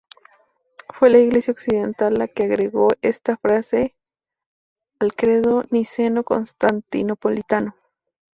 Fue la Iglesia Occidental la que agregó esta frase al Credo Niceno-Constantinopolitano.